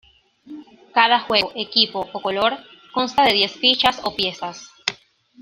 Cada "juego", "equipo" o "color" consta de diez fichas o piezas.